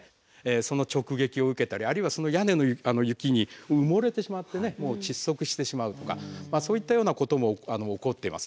その直撃を受けたりあるいはその屋根の雪に埋もれてしまってね窒息してしまうとかそういったようなことも起こっています。